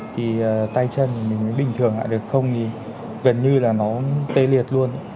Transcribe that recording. thì tay chân mình bình thường lại được không thì gần như là nó tê liệt luôn